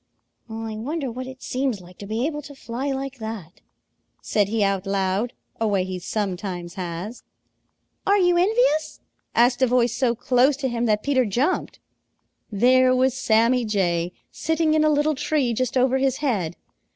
"I wonder what it seems like to be able to fly like that," said he out loud, a way he sometimes has. "Are you envious?" asked a voice so close to him that Peter jumped. There was Sammy Jay sitting in a little tree just over his head.